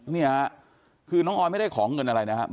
เนี่ยคือน้องออยไม่ได้ของเงินอะไรนะครับ